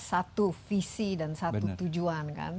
satu visi dan satu tujuan kan